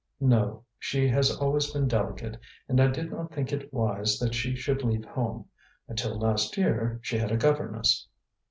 "No. She has always been delicate, and I did not think it wise that she should leave home. Until last year she had a governess."